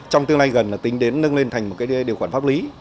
trong tương lai gần là tính đến nâng lên thành một cái điều khoản pháp lý